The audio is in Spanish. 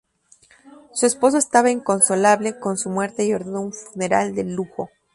Su esposo estaba inconsolable con su muerte y ordenó un funeral de lujo.